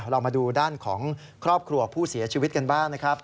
เรามาดูด้านของครอบครัวผู้เสียชีวิตกันบ้างนะครับ